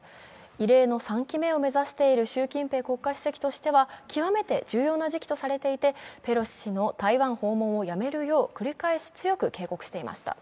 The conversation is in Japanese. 異例の３期目を目指している習近平国家主席は極めて重要な時期とされていて、ペロシ氏の台湾訪問をやめるよう繰り返し強く警告していました。